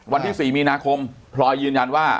วันที่๔มีนาคมพลอยยืนยันว่า